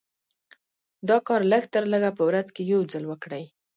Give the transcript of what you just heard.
دا کار لږ تر لږه په ورځ کې يو ځل وکړئ.